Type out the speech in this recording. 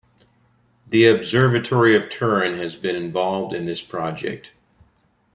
The Observatory of Turin has been also involved in this project.